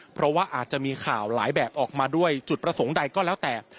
เพราะว่าอาจจะมีข่าวหลายแบบออกมาด้วยจุดประสงค์ใดก็แล้วแต่